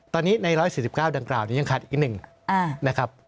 ตอนนี้ใน๑๔๙ดังกล่าวยังขาดอีก๑